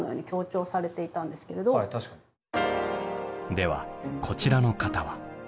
ではこちらの方は？